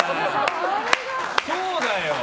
そうだよ！